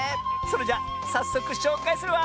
それじゃさっそくしょうかいするわ！